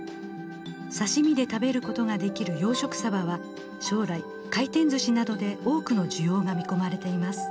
刺身で食べることができる養殖サバは将来回転ずしなどで多くの需要が見込まれています。